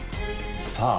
「さあ」？